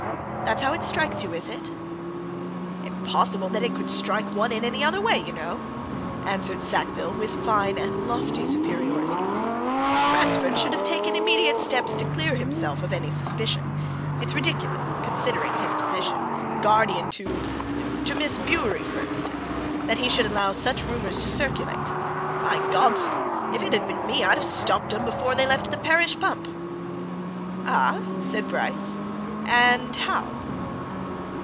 "That's how it strikes you, is it?" "Impossible that it could strike one in any other way, you know," answered Sackville with fine and lofty superiority. "Ransford should have taken immediate steps to clear himself of any suspicion. It's ridiculous, considering his position guardian to to Miss Bewery, for instance that he should allow such rumours to circulate. By God, sir, if it had been me, I'd have stopped 'em! before they left the parish pump!" "Ah?" said Bryce. "And how?"